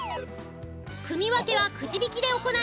組分けはくじ引きで行い